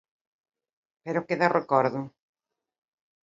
Pero queda o Recordo.